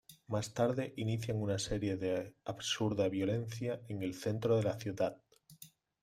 Más tarde inician una serie de absurda violencia en el centro de la ciudad.